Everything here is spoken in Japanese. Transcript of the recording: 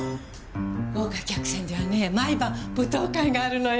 豪華客船ではねえ毎晩舞踏会があるのよ。